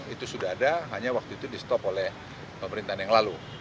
itu sudah ada hanya waktu itu di stop oleh pemerintahan yang lalu